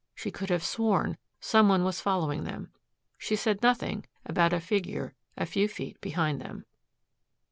She could have sworn some one was following them. She said nothing about a figure a few feet behind them.